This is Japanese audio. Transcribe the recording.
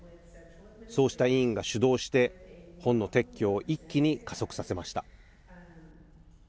そうした委員が主導して本の撤去を一気に加速させました。